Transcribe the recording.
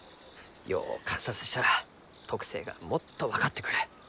よう観察したら特性がもっと分かってくる。